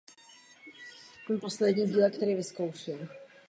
Poté začala jeho intenzivní výuka buddhistických textů a kaligrafie.